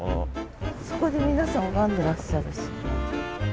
そこで皆さん拝んでらっしゃるし。